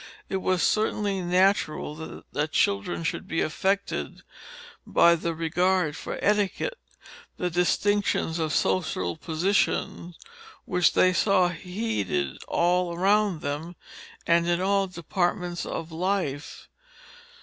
It was certainly natural that children should be affected by the regard for etiquette, the distinctions of social position which they saw heeded all around them, and in all departments of life.